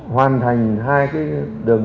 hoàn thành hai cái đường